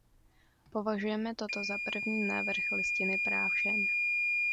Považujme toto za první návrh Listiny práv žen.